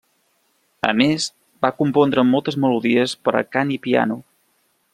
A més, va compondre, moltes melodies per a cant i piano.